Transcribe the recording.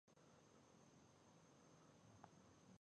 قلندر مومند صاحب به د مرکې اجلاس تر هغې نه شروع کولو